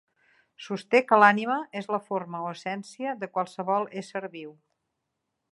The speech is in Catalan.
Sosté que l'ànima és la forma o essència de qualsevol ésser viu.